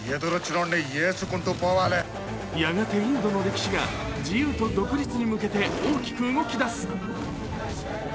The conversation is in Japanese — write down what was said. やがてインドの歴史が自由と独立に向けて、大きく動き出す。